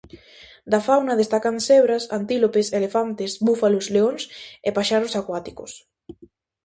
Da fauna destacan cebras, antílopes, elefantes, búfalos, leóns e paxaros acuáticos.